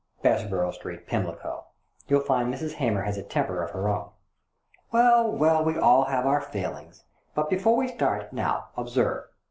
"" Bessborough Street, Pimlico. You'll find Mrs. Hamer has a temper of her own.'! "Well, well, we all have our failings. But before we start, now, observe."